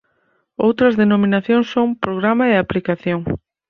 Outras denominacións son programa e aplicación.